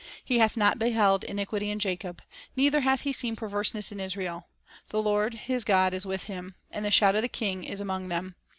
He hath not beheld iniquity in Jacob, Neither hath He seen perverseness in Israel; The Lord his God is with him, And the shout of a King is among them.